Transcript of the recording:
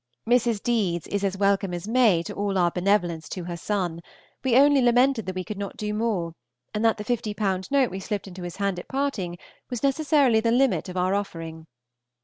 Mrs. Deedes is as welcome as May to all our benevolence to her son; we only lamented that we could not do more, and that the 50_l._ note we slipped into his hand at parting was necessarily the limit of our offering.